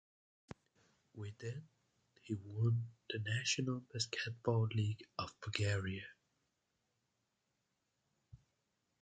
With them he won the National Basketball League of Bulgaria.